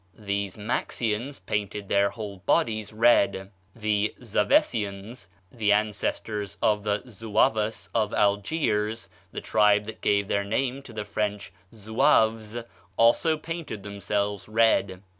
These Maxyans painted their whole bodies red. The Zavecians, the ancestors of the Zuavas of Algiers (the tribe that gave their name to the French Zouaves), also painted themselves red.